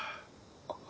あっ。